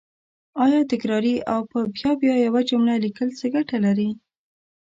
آیا تکراري او په بیا بیا یوه جمله لیکل څه ګټه لري